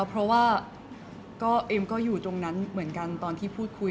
เพราะว่าเอ็มก็อยู่ตรงนั้นเหมือนกันตอนที่พูดคุย